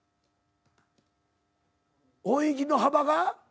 音域の幅が。